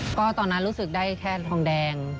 ก็ตอนนั้นรู้สึกได้แค่ทองแดง